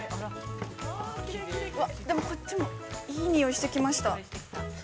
でも、こっちも、いい匂いしてきました。